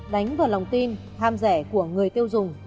đánh vào lòng tin ham rẻ của người tiêu dùng